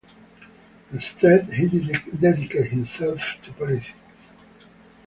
Instead, he dedicated himself to politics.